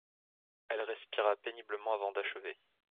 Elle respira péniblement avant d'achever.